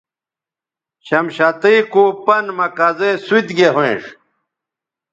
شمشتئ کو پن مہ کزے سوت گے ھوینݜ